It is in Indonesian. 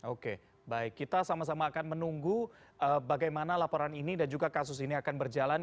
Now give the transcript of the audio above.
oke baik kita sama sama akan menunggu bagaimana laporan ini dan juga kasus ini akan berjalan